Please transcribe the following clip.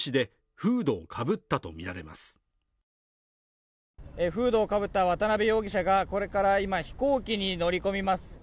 フードをかぶった渡辺容疑者がこれから今飛行機に乗り込みます